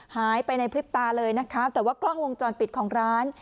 หายไปในพริบตาเลยนะคะแต่ว่ากล้องวงจรปิดของร้าน